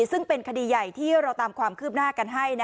ซึ่งเป็นคดีใหญ่ที่เราตามความคืบหน้ากันให้